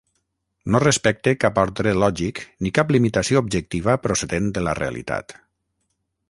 No respecte cap ordre lògic ni cap limitació objectiva procedent de la realitat.